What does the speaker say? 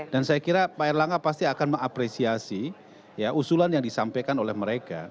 dan saya kira pak erlangga pasti akan mengapresiasi ya usulan yang disampaikan oleh mereka